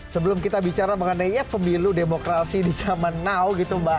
sebelum kita bicara mengenainya pemilu demokrasi di zaman now gitu mbak